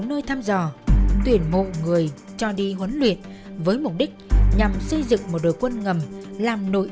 nơi thăm dò tuyển mộ người cho đi huấn luyện với mục đích nhằm xây dựng một đội quân ngầm làm nội